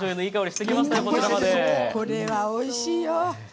これはおいしいよ。